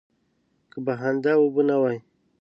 که بهانده اوبه نه وای.